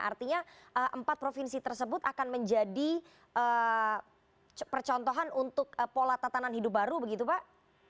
artinya empat provinsi tersebut akan menjadi percontohan untuk pola tatanan hidup baru begitu pak